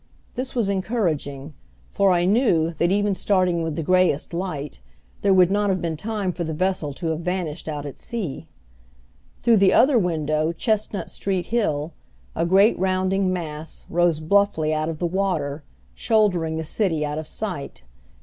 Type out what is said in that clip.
This was encouraging, for I knew, that even starting with the grayest light, there would not have been time for the vessel to have vanished out at sea. Through the other window Chestnut Street Hill, a great rounding mass, rose bluffly out of the water, shouldering the city out of sight.